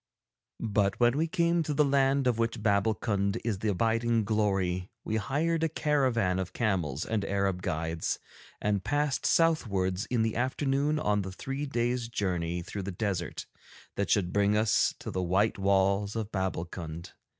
But when we came to the land of which Babbulkund is the abiding glory, we hired a caravan of camels and Arab guides, and passed southwards in the afternoon on the three days' journey through the desert that should bring us to the white walls of Babbulkund.